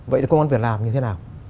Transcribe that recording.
vậy công an việc làm như thế nào